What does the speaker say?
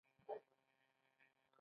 د اوبو مدیریت نه کول تاوان دی.